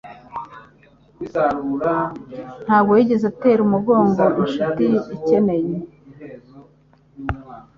Ntabwo yigeze atera umugongo inshuti ikeneye